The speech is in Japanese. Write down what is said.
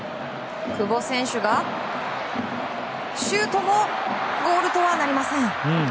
久保選手がシュートもゴールとはなりません。